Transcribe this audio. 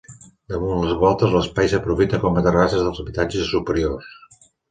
Damunt les voltes, l'espai s'aprofita com a terrasses dels habitatges superiors.